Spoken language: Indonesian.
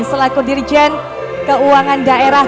selaku dirjen keuangan daerah